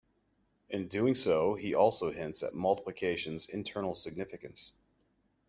In doing so he also hints at multiplication's internal significance.